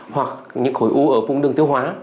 hoặc những khối u ở vùng đường tiêu hóa